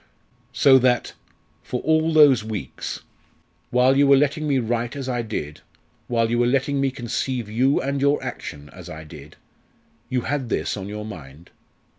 "So that for all those weeks while you were letting me write as I did, while you were letting me conceive you and your action as I did, you had this on your mind?